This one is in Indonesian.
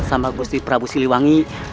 sama gusti prabu siliwangi